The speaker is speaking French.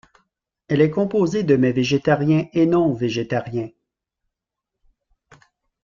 Elle est composée de mets végétariens et non végétariens.